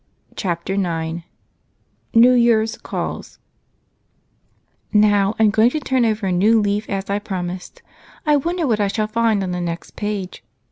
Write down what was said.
Chapter 9 NEW YEAR'S CALLS "Now I'm going to turn over a new leaf, as I promised. I wonder what I shall find on the next page?"